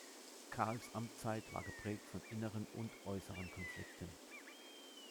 Karls Amtszeit war geprägt von inneren und äußeren Konflikten.